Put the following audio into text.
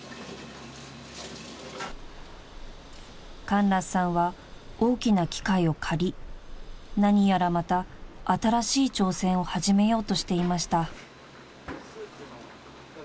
［カンラスさんは大きな機械を借り何やらまた新しい挑戦を始めようとしていました］